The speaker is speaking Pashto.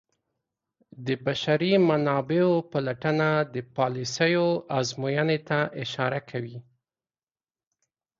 د بشري منابعو پلټنه د پالیسیو ازموینې ته اشاره کوي.